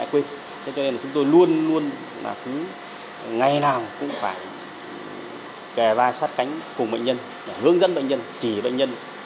chúng tôi luôn luôn là cứ ngày nào cũng phải kề vai sát cánh cùng bệnh nhân hướng dẫn bệnh nhân chỉ bệnh nhân